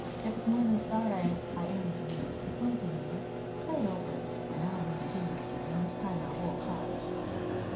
It's more than sorry I am to be disappointing you. Play it over, and I'll be beginning again, and this time I'll hold hard."